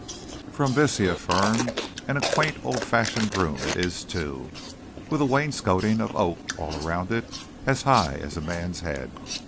"'From this,' he affirmed. 'And a quaint, old fashioned room it is, too, with a wainscoting of oak all around it as high as a man's head.